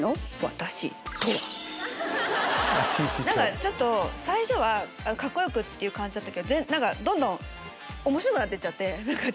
何かちょっと最初はカッコよくっていう感じだったけどどんどん面白くなってっちゃって。